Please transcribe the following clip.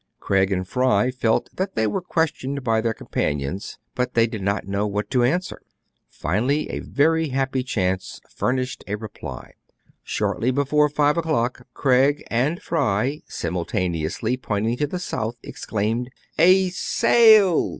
Craig and Fry felt that they were questioned by their companions ; but they did not know what to answer. Finally a very happy chance furnished a reply. Shortly before five o'clock, Craig and Fry, simul taneously pointing to the south, exclaimed, —" A sail